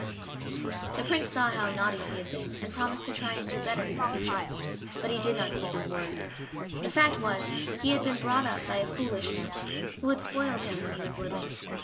The Prince saw how naughty he had been, and promised to try and do better in future, but he did not keep his word. The fact was he had been brought up by a foolish nurse, who had spoiled him when he was little.